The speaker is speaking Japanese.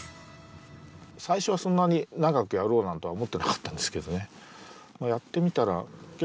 最初はそんなに長くやろうなんて思ってなかったんですけどね。